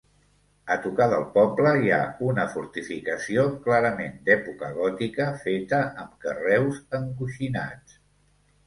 A tocar del poble, hi ha una fortificació clarament d'època gòtica, feta amb carreus encoixinats.